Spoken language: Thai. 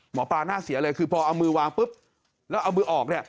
หมอปลาน่าเสียเลยคือพอเอามือวางปุ๊บแล้วเอามือออกเนี่ย